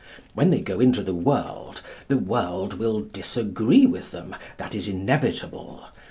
When they go into the world, the world will disagree with them. That is inevitable.